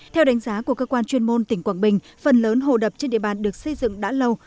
theo đánh giá của cơ quan chuyên môn tỉnh quảng bình phần lớn hồ đập trên địa bàn được xây dựng đã lâu